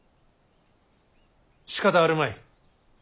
しかたあるまい。